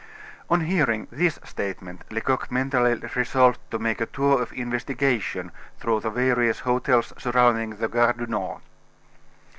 On hearing this statement, Lecoq mentally resolved to make a tour of investigation through the various hotels surrounding the Gare du Nord.